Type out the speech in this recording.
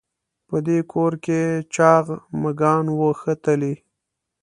په دې کور کې چاغ مږان وو ښه تلي.